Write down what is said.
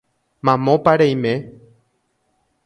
Mamópa reime